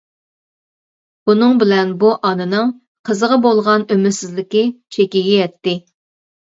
بۇنىڭ بىلەن بۇ ئانىنىڭ قىزىغا بولغان ئۈمىدسىزلىكى چېكىگە يەتتى.